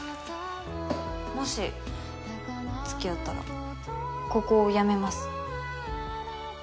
もし付き合ったらここを辞めます。